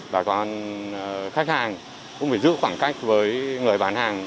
bà con khách hàng cũng phải giữ khoảng cách với người bán hàng